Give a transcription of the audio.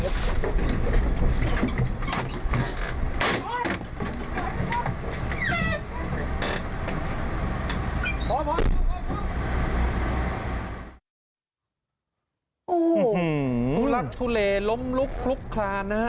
ถุลักษณ์ทุเลล้มลุกลุกคลานะ